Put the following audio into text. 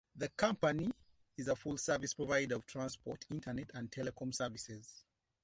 The company is a full-service provider of transport, Internet and telecom services.